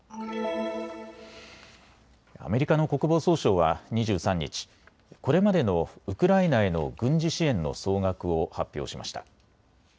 アメリカの国防総省は２３日、これまでのウクライナへの軍事支援の総額を発表しました。